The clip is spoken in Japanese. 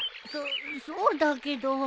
そそうだけど。